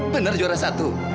benar juara satu